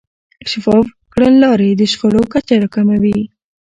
شفاف کړنلارې د شخړو کچه راکموي.